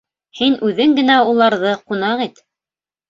Һин үҙең генә уларҙы ҡунаҡ ит.